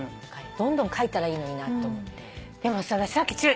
どんどん書いたらいいのになと思って。